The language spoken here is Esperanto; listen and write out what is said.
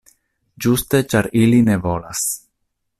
Ĝuste ĉar ili ne volas.